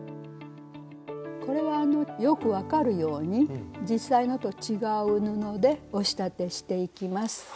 これはよく分かるように実際のと違う布でお仕立てしていきます。